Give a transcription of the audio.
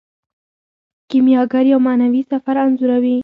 کیمیاګر یو معنوي سفر انځوروي.